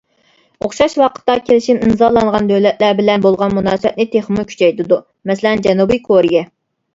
ئوخشاش ۋاقىتتا كېلىشىم ئىمزالانغان دۆلەتلەر بىلەن بولغان مۇناسىۋەتنى تېخىمۇ كۈچەيتىدۇ(مەسىلەن جەنۇبىي كورېيە).